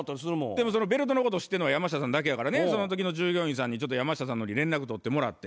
でもそのベルトのことを知ってんのは山下さんだけやからねその時の従業員さんにちょっと山下さんの方に連絡取ってもらって。